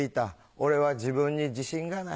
俺は自分に自信がない。